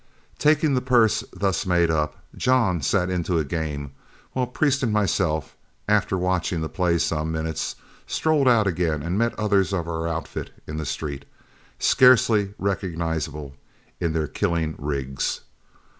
Taking the purse thus made up, John sat into a game, while Priest and myself, after watching the play some minutes, strolled out again and met others of our outfit in the street, scarcely recognizable in their killing rigs.